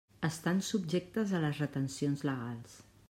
Estan subjectes a les retencions legals.